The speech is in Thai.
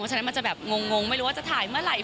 ว่าเพริงเนี่ยจะแบบงงไม่รู้ว่าจะถ่ายเมื่อไหร่